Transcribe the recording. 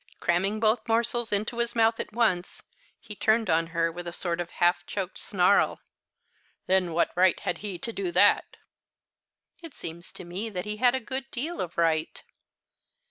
Cramming both morsels into his mouth at once, he turned on her with a sort of half choked snarl. "Then what right had he to do that?" "It seems to me that he had a good deal of right."